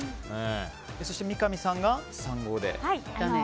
そして三上さんが３５００円で。